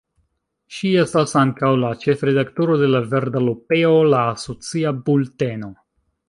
Ŝi estas ankaŭ la ĉefredaktoro de La Verda Lupeo, la asocia bulteno.